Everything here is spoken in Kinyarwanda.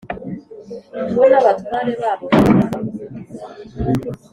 bo n’abatware babo b’abahemu.